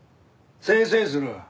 せいせいするわ。